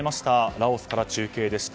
ラオスから中継でした。